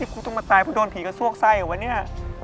กูต้องมาตายเพราะโดนผีกระซวกไส้เหรอวะเนี่ย